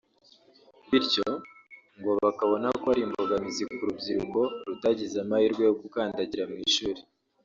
bityo ngo bakabona ko ari imbogamizi ku rubyiruko rutagize amahirwe yo gukandagira mu ishuri